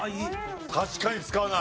確かに使わない。